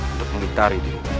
untuk menggitari dirimu